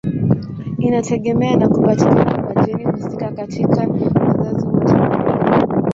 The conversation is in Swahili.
Inategemea na kupatikana kwa jeni husika katika wazazi wote wawili.